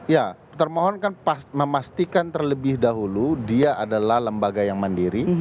ya termohon kan memastikan terlebih dahulu dia adalah lembaga yang mandiri